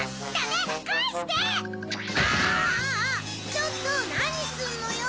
ちょっとなにすんのよ！